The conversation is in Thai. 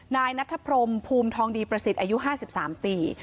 นายนัทพรมภูมิทองดีประสิทธิ์อายุ๕๓ปี